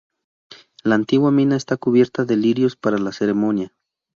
La antigua mina está cubierta de lirios para la ceremonia.